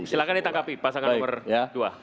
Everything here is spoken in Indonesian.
silahkan ditangkapi pasangan nomor dua